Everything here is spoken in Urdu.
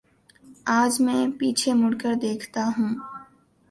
آج میں پیچھے مڑ کر دیکھتا ہوں۔